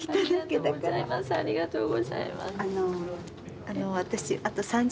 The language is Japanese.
ありがとうございます。